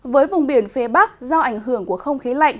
với vùng biển phía bắc do ảnh hưởng của không khí lạnh